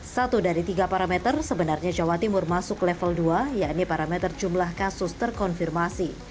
satu dari tiga parameter sebenarnya jawa timur masuk level dua yaitu parameter jumlah kasus terkonfirmasi